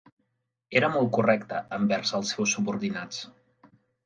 Era molt correcte envers els seus subordinats.